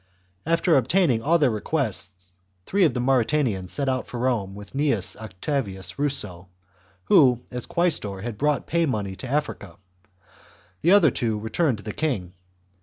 After obtaining all their requests, three of the Mauritanians set out for Rome with Gnaeus Octavius Ruso, who, as quaestor, had brought pay money to Africa ; the other two returned to the king.